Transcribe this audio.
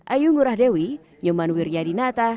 ayu ngurah dewi nyoman wiryadinata